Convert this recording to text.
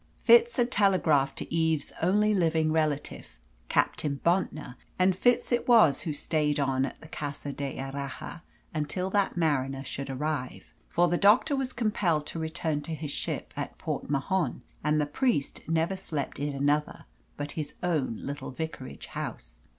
Fitz had telegraphed to Eve's only living relative, Captain Bontnor, and Fitz it was who stayed on at the Casa d'Erraha until that mariner should arrive; for the doctor was compelled to return to his ship at Port Mahon, and the priest never slept in another but his own little vicarage house.